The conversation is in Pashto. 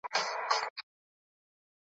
د يوسف عليه السلام ځیني وروڼو هغو نورو ته وويل.